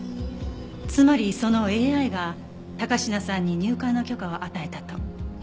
つまりそのＡＩが高階さんに入館の許可を与えたと。